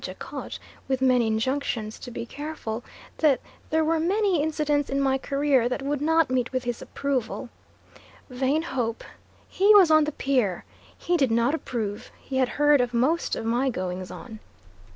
Jacot, with many injunctions to be careful, that there were many incidents in my career that would not meet with his approval. Vain hope! he was on the pier! He did not approve! He had heard of most of my goings on.